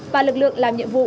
và lực lượng làm nhiệm vụ